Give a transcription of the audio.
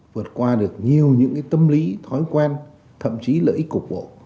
vượt qua được nhiều những cái tâm lý thói quen thậm chí lợi ích cục bộ